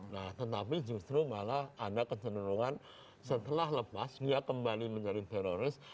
nah tetapi justru malah ada kecenderungan setelah lepas dia kembali menjadi teroris